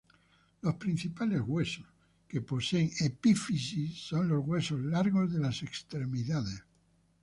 Los principales huesos que poseen epífisis son los huesos largos de las extremidades.